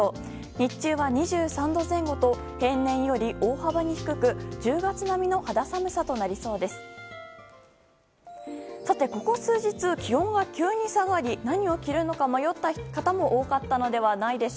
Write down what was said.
日中は２３度前後と平年より大幅に低く１０月並みの肌寒さとなりそうです。